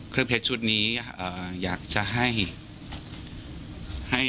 เครื่องเพชรชุดนี้อยากจะให้